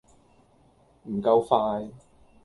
唔夠快